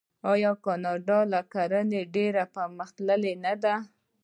آیا د کاناډا کرنه ډیره پرمختللې نه ده؟